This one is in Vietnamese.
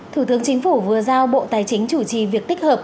thủ tướng chính phủ vừa giao bộ tài chính chủ trì việc tích hợp